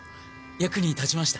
⁉役に立ちました？